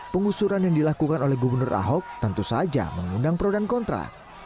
pengusuran yang dilakukan oleh gubernur ahok tentu saja mengundang pro dan kontra